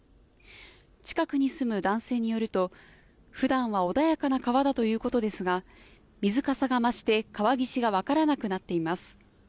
近くに住む男性によるとふだんは穏やかな川だということですが水かさが増して川岸が分からなくなっています。